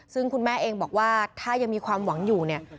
ซึ่งคุณแม่เองบอกว่าถ้ายังมีความหวังอยู่เนี่ย